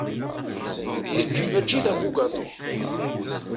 Nekk, mačči d abugaṭu.